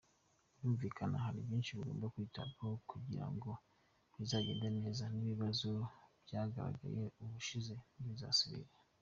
Birumvikana hari byinshi bigomba kwitabwaho kugira ngo rizagende neza, n’ibibazo byagaragaye ubushize ntibizasubire.